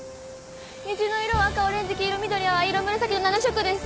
虹の色は赤オレンジ黄色緑青藍色紫の７色です。